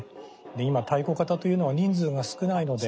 今太鼓方というのは人数が少ないので。